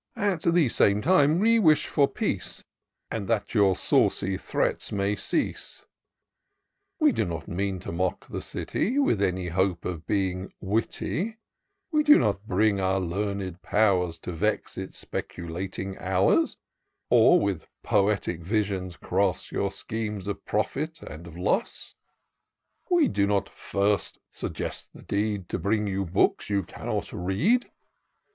" At the same time we wish for peace. And that your saucy threats may cease. T T TOUR OF DOCTOR SYNTAX We do not mean to mock the City With any hope of being witty : We do not bring our learned powers To vex its speculating hours; Or with poetic visions cross Your schemes of profit and of loss. We did not first suggest the deed. To bring you books you cannot read.